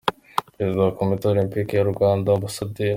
Perezida wa Komite Olempike y’u Rwanda, Amb.